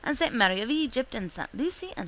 Mary of Egypt and S. Lucy and S.